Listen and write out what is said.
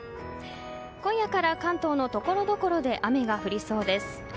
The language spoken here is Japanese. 今夜から関東のところどころで雨が降りそうです。